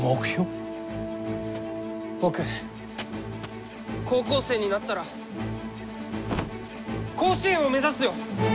僕高校生になったら甲子園を目指すよ！